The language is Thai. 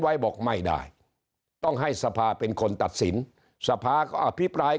ไว้บอกไม่ได้ต้องให้สภาเป็นคนตัดสินสภาก็อภิปราย